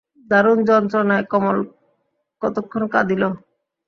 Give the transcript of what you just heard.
দারুণ যন্ত্রণায় কমল কতক্ষণ কাঁদিল।